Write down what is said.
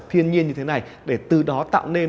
thiên nhiên như thế này để từ đó tạo nên